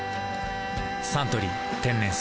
「サントリー天然水」